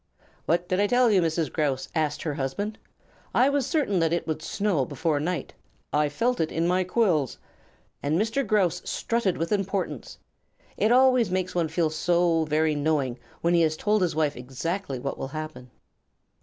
"What did I tell you, Mrs Grouse?" asked her husband. "I was certain that it would snow before night. I felt it in my quills." And Mr. Grouse strutted with importance. It always makes one feel so very knowing when he has told his wife exactly what will happen.